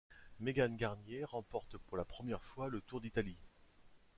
Megan Guarnier remporte pour la première fois le Tour d'Italie.